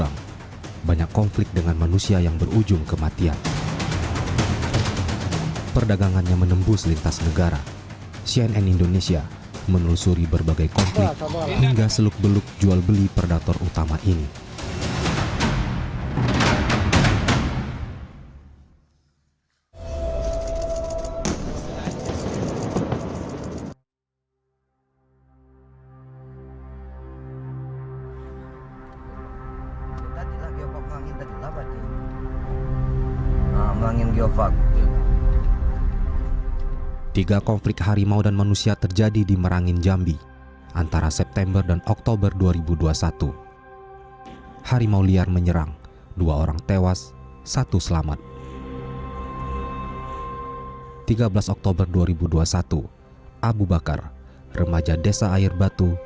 abu bakar remaja desa air batu